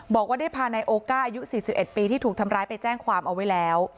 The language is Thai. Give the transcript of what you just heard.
บอกว่าได้พานายโอก้าอายุ๔๑ปีที่ถูกทำร้ายไปแจ้งความเอาไว้แล้ว